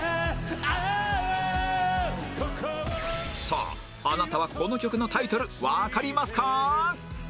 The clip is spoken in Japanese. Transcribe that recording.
さああなたはこの曲のタイトルわかりますか？